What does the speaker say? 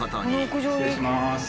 失礼します。